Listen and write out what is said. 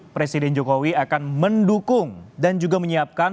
presiden jokowi akan mendukung dan juga menyiapkan